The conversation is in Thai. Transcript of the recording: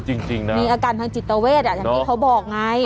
เออจริงนะมีอาการทางจิตเตอร์เวศร่วมด้วยอย่างนี้เขาบอกไง